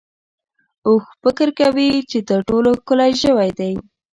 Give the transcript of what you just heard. اوښ فکر کوي چې تر ټولو ښکلی ژوی دی.